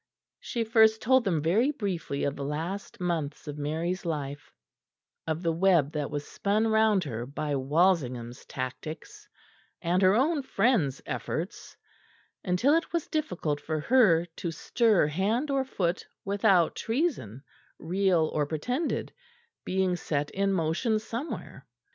She first told them very briefly of the last months of Mary's life, of the web that was spun round her by Walsingham's tactics, and her own friends' efforts, until it was difficult for her to stir hand or foot without treason, real or pretended, being set in motion somewhere.